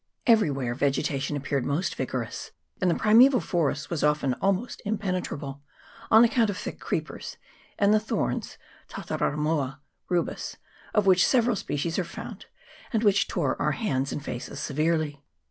Everywhere vegetation appeared most vigorous, and the primeval forest was often almost impenetrable, on account of thick creepers, and the thorns, tata ramoa (rubus), of which several species are found, and which tore our hands and faces severely.